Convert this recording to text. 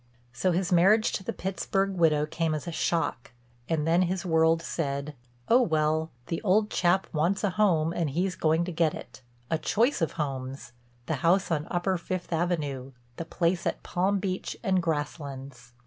So his marriage to the Pittsburg widow came as a shock, and then his world said: "Oh, well, the old chap wants a home and he's going to get it—a choice of homes—the house on upper Fifth Avenue, the place at Palm Beach and Grasslands."